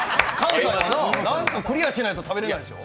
何かクリアしないと食べれないでしょう？